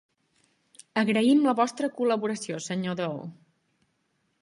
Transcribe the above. Agraïm la vostra col·laboració, senyor Doe.